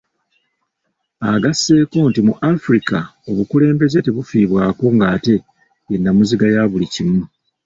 Agasseeko nti mu Africa obukulembeze tebufiibwako ng'ate ye nnamuziga yabuli kimu.